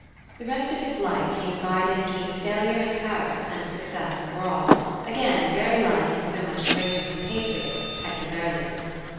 The rest of his life he divided between failure in Paris and success abroad, again very like his so much greater compatriot, Hector Berlioz.